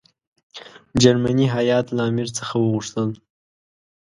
جرمني هیات له امیر څخه وغوښتل.